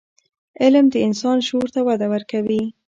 علم د انسان شعور ته وده ورکوي.